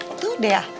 eh tuh udah ya